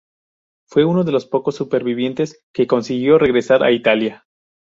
Fue uno de los pocos supervivientes que consiguió regresar a Italia.